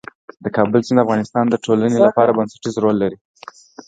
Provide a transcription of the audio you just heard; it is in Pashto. د کابل سیند د افغانستان د ټولنې لپاره بنسټيز رول لري.